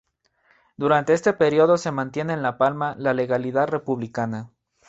Durante este período se mantiene en La Palma la legalidad republicana.